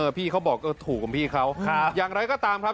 เออพี่เขาบอกเออถูกกับพี่เขาครับอย่างไรก็ตามครับ